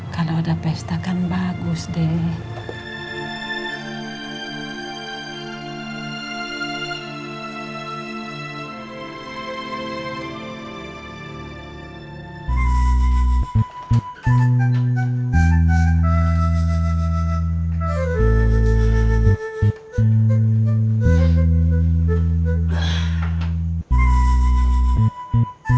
kalo ada pesta kan bagus deh